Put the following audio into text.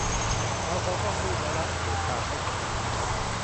เราคงต้องรีบแล้วละ เหตุการณ์ไม่ปกติแล้ว